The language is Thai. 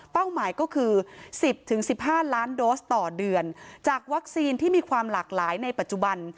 หมายก็คือ๑๐๑๕ล้านโดสต่อเดือนจากวัคซีนที่มีความหลากหลายในปัจจุบัน